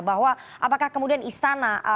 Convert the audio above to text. bahwa apakah kemudian istana